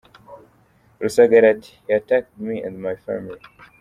Rusagara ati “He attacked me and my family.